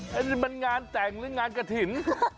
อันนี้มันงานแต่งหรืองานกระถิ่น